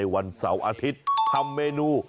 วันเสาร์อาทิตย์ทำเมนู